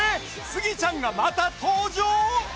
スギちゃんがまた登場！？